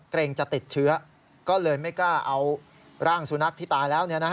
เกรงจะติดเชื้อก็เลยไม่กล้าเอาร่างสุนัขที่ตายแล้ว